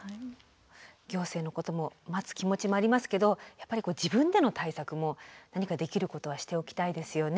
行政のことも待つ気持ちもありますけどやっぱり自分での対策も何かできることはしておきたいですよね。